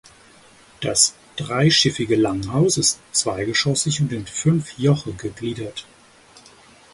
Das dreischiffige Langhaus ist zweigeschossig und in fünf Joche gegliedert.